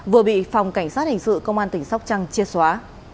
vừa bị phòng cảnh sát hình sự công an tỉnh sóc trăng triệt xóa